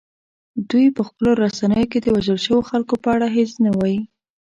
دوی په خپلو رسنیو کې د وژل شویو خلکو په اړه هیڅ نه وايي